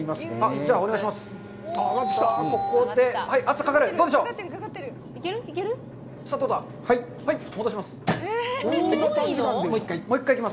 じゃあ、お願いします。